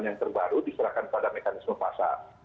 yang terbaru diserahkan pada mekanisme pasar